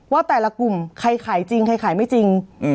ว่าแต่ละกลุ่มใครขายจริงใครขายไม่จริง